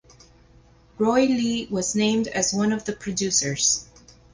Roy Lee was named as one of the producers.